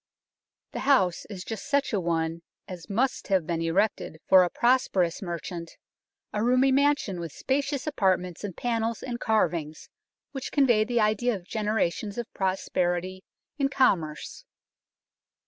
The house is just such a one as must have been erected for a prosperous A CITY MERCHANT'S MANSION 87 merchant a roomy mansion, with spacious apart ments and panels and carvings which convey the idea of generations of prosperity in commerce.